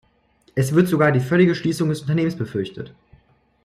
Es wird sogar die völlige Schließung des Unternehmens befürchtet.